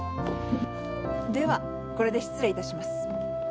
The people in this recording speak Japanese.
ではこれで失礼いたします。